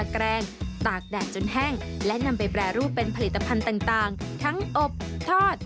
แกรงตากแดดจนแห้งและนำไปแปรรูปเป็นผลิตภัณฑ์ต่างทั้งอบทอด